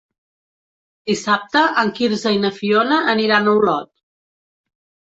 Dissabte en Quirze i na Fiona aniran a Olot.